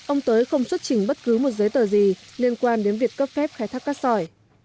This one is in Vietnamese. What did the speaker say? ông tới không xuất trình bất cứ một giấy tờ gì liên quan đến việc cấp phép khai thác cát sỏi